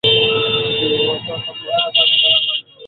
দুই হাত মাথার পেছনে সোজা করে বিছানার সঙ্গে স্পর্শ করে রাখুন।